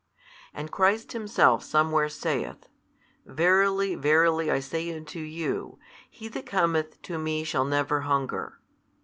And Christ Himself somewhere saith, Verily, verily I say unto you, he that cometh to Me shall never hunger.